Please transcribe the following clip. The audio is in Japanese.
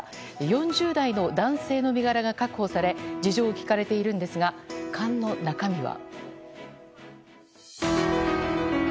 ４０代の男性の身柄が確保され事情を聴かれているんですが缶の中身は。